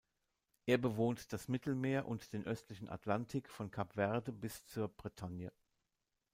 Er bewohnt das Mittelmeer und den östlichen Atlantik von Kap Verde bis zur Bretagne.